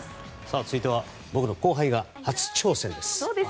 続いては僕の後輩が初挑戦です。